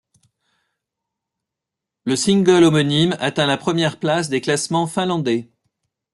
Le single homonyme atteint la première place des classements finlandais.